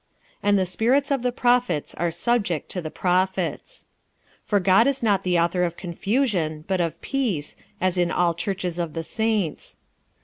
46:014:032 And the spirits of the prophets are subject to the prophets. 46:014:033 For God is not the author of confusion, but of peace, as in all churches of the saints.